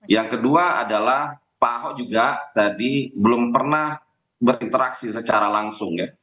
yang kedua adalah pak ahok juga tadi belum pernah berinteraksi secara langsung ya